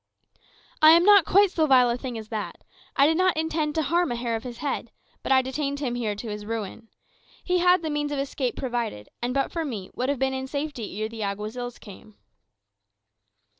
"I am not quite so vile a thing as that. I did not intend to harm a hair of his head; but I detained him here to his ruin. He had the means of escape provided, and but for me would have been in safety ere the Alguazils came."